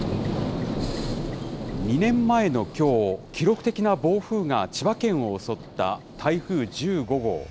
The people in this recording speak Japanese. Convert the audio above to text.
２年前のきょう、記録的な暴風が千葉県を襲った台風１５号。